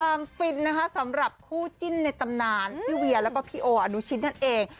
ฟินนะคะสำหรับคู่จิ้นในตำนานพี่เวียแล้วก็พี่โออนุชิตนั่นเอง